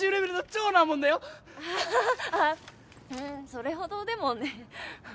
それほどでもね。